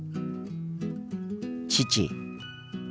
父。